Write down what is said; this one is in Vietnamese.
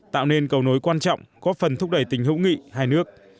tạo nên cầu nối quan trọng góp phần thúc đẩy tình hữu nghị hai nước